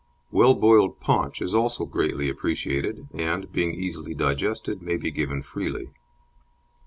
Well boiled paunch is also greatly appreciated, and, being easily digested, may be given freely.